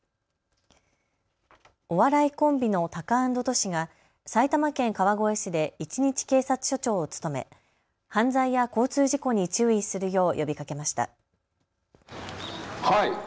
お笑いコンビのタカアンドトシが埼玉県川越市で１日警察署長を務め、犯罪や交通事故に注意するよう呼びかけました。